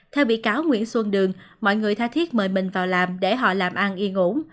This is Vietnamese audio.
theo bị cáo nguyễn xuân đường mọi người tha thiết mời mình vào làm để họ làm ăn yên ngủ